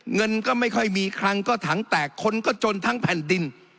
เงินก็ไม่ค่อยมีคลังก็ถังแตกคนก็จนทั้งแผ่นดิน